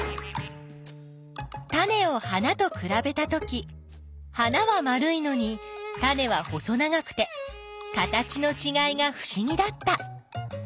タネを花とくらべたとき花は丸いのにタネは細長くて形のちがいがふしぎだった。